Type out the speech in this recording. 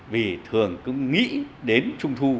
vì thường cứ nghĩ đến trung thu